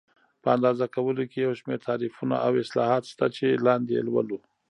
په اندازه کولو کې یو شمېر تعریفونه او اصلاحات شته چې لاندې یې لولو.